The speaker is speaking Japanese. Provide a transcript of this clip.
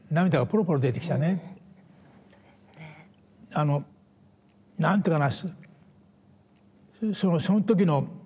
あの何て言うかな。